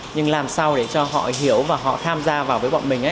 nhưng làm sao để cho họ hiểu và họ tham gia vào với bọn mình